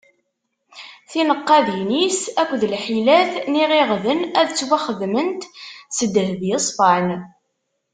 Tineqqadin-is akked lḥilat n iɣiɣden ad ttwaxedment s ddheb yeṣfan.